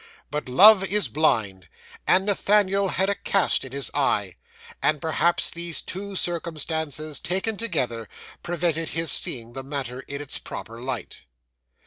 But love is blind; and Nathaniel had a cast in his eye; and perhaps these two circumstances, taken together, prevented his seeing the matter in its proper light.